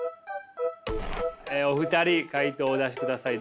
お二人回答をお出しください。